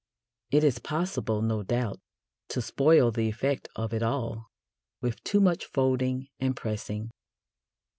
It is possible, no doubt, to spoil the effect of it all with too much folding and pressing.